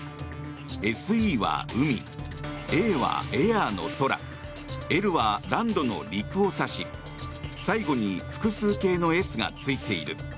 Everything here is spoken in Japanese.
「ＳＥ」は海「Ａ」はエアーの空「Ｌ」はランドの陸を指し最後に複数形の「ｓ」がついている。